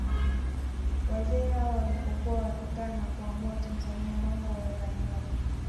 Wazee hawa walipokuwa wakikaa na kuamua Tanzania mambo yakanyooka